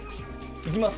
いきます。